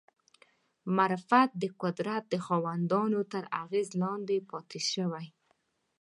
معرفت د قدرت خاوندانو تر اغېزې لاندې پاتې شوی